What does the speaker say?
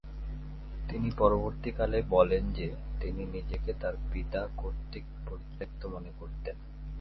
তিনি পরবর্তী কালে বলেন যে তিনি নিজেকে তার পিতা কর্তৃক পরিত্যক্ত মনে করতেন।